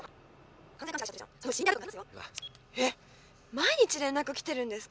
毎日連絡来てるんですか？